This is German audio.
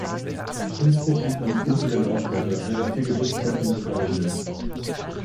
Innsbruck liegt am Fuße der Nordkette, eine der vier Gebirgsketten im Karwendel.